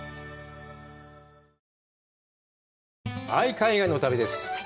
海外の旅です。